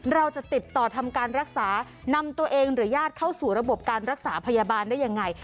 เราจะติดต่อทำการรักษานำตัวเองหรือญาติเข้าสู่ระบบการรักษาพยาบาลได้ยังไง